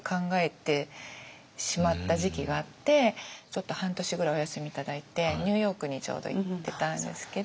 ちょっと半年ぐらいお休み頂いてニューヨークにちょうど行ってたんですけど。